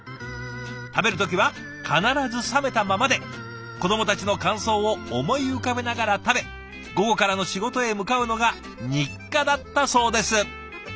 食べる時は必ず冷めたままで子どもたちの感想を思い浮かべながら食べ午後からの仕事へ向かうのが日課だったそうです。